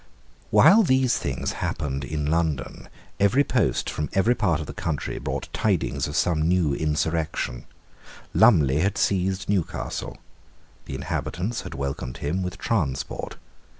While these things happened in London, every post from every part of the country brought tidings of some new insurrection. Lumley had seized Newcastle. The inhabitants had welcomed him with transport.